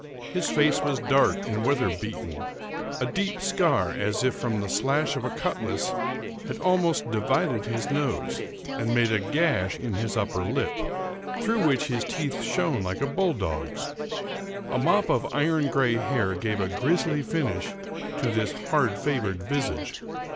His face was dark and weather beaten ; a deep scar, as if from the slash of a cutlass, had almost divided his nose, and made a gash in his upper lip, through which his teeth shone like a bulldog's. A mop of iron gray hair gave a grisly finish to this hard favored visage.